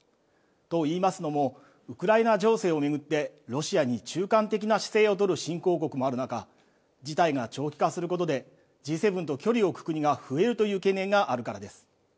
といいますのも、ウクライナ情勢を巡って、ロシアに中間的な姿勢を取る新興国もある中、事態が長期化することで、Ｇ７と距離を置く国が増えるという懸念があるからです。